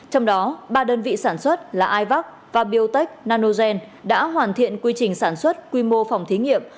trong đó ba đơn vị sản xuất là ivac và biotech nanogen đã hoàn thiện quy trình sản xuất quy mô phòng thí nghiệm